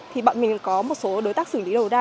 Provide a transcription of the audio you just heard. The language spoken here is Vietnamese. thì bọn mình có một số đối tác xử lý đầu đa